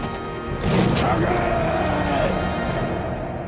かかれ！